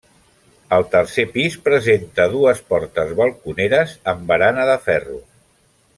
El tercer pis presenta dues portes balconeres amb barana de ferro.